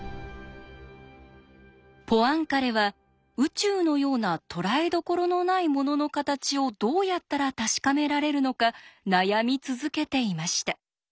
ポアンカレは宇宙のようなとらえどころのないものの形をどうやったら確かめられるのか悩み続けていました。